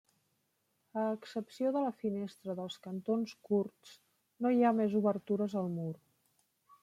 A excepció de la finestra dels cantons curts, no hi ha més obertures al mur.